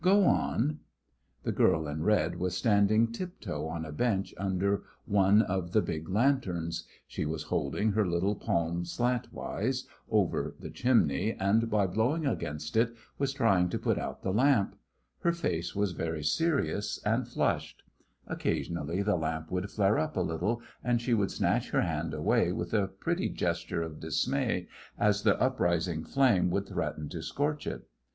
"Go on." The girl in red was standing tiptoe on a bench under one of the big lanterns. She was holding her little palm slantwise over the chimney, and by blowing against it was trying to put out the lamp. Her face was very serious and flushed. Occasionally the lamp would flare up a little, and she would snatch her hand away with a pretty gesture of dismay as the uprising flame would threaten to scorch it.